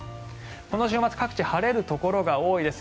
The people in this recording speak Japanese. この週末各地晴れるところが多いです。